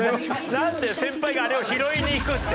なんで先輩があれを拾いに行くって。